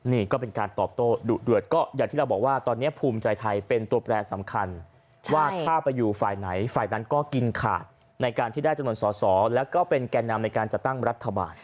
นี่ก็เป็นการตอบโต้ดุเดือดก็อย่างที่เราบอกว่าตอนนี้ภูมิใจไทยเป็นตัวแปรสำคัญว่าถ้าไปอยู่ฝ่ายไหนฝ่ายนั้นก็กินขาดในการที่ได้จำนวนสอสอแล้วก็เป็นแก่นำในการจัดตั้งรัฐบาล